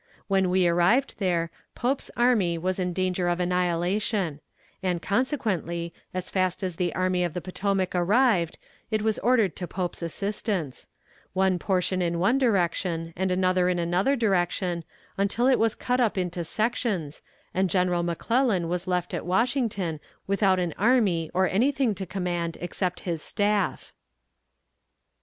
When we arrived there, Pope's army was in danger of annihilation; and, consequently, as fast as the Army of the Potomac arrived, it was ordered to Pope's assistance; one portion in one direction, and another in another direction, until it was cut up into sections, and General McClellan was left at Washington, without an army or anything to command except his staff.